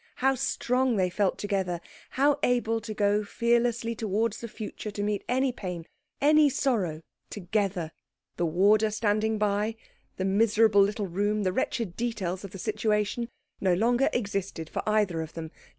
How strong they felt together! How able to go fearlessly towards the future to meet any pain, any sorrow, together! The warder standing by, the miserable little room, the wretched details of the situation, no longer existed for either of them.